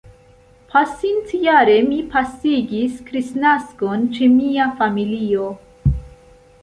Pasintjare mi pasigis Kristnaskon ĉe mia familio.